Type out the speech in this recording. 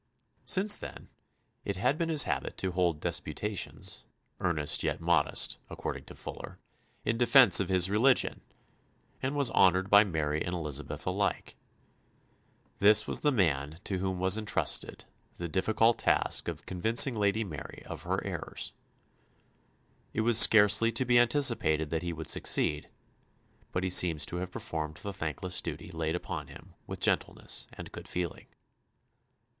Since then it had been his habit to hold disputations, "earnest yet modest," according to Fuller, in defence of his religion, and was honoured by Mary and Elizabeth alike. This was the man to whom was entrusted the difficult task of convincing Lady Jane of her errors. It was scarcely to be anticipated that he would succeed, but he seems to have performed the thankless duty laid upon him with gentleness and good feeling.